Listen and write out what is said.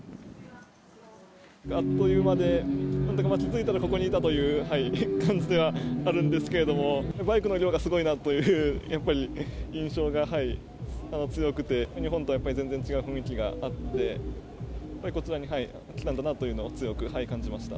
あっという間で、気付いたらここにいたという感じではあるんですけど、バイクの量がすごいなという、やっぱり、印象が強くて、日本とはやっぱり全然違う雰囲気があって、こちらに来たんだなというのを強く感じました。